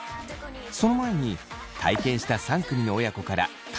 その前に体験した３組の親子から感想を。